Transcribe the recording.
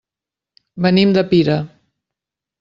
Venim de Pira.